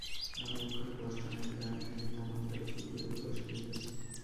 আমি এক্ষণে বষ্টনের এক গ্রামে এক বৃদ্ধা মহিলার অতিথিরূপে বাস করিতেছি।